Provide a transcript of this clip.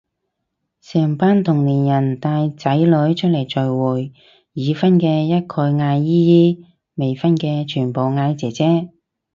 成班同齡人帶仔女出嚟聚會，已婚嘅一概嗌姨姨，未婚嘅全部嗌姐姐